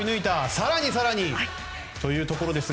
更に更にというところですが。